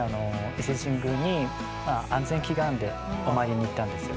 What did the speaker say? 伊勢神宮に安全祈願でお参りに行ったんですよ。